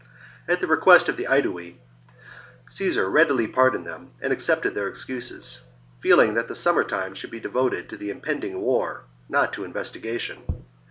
At the request of the Aedui, Caesar readily pardoned them and accepted their excuses, feeling that the VI IN NORTH EASTERN GAUL 173 summer time should be devoted to the impending 53 b.c. war, not to investigation.